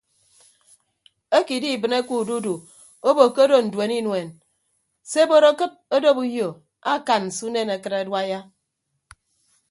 Eke idibịneke ududu obo ke odo nduen inuen se ebot akịt odop uyo akan se unen akịt aduaiya.